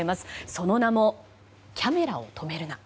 その名も「キャメラを止めるな！」。